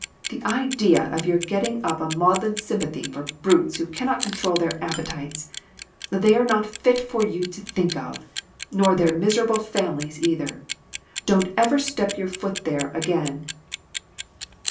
The idea of your get ting up a maudlin sympathy for brutes who can not control their appetites. They are not fit for you to think of; nor their miserable families, either. Don't ever step your foot there again."